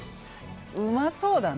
うまそうだな！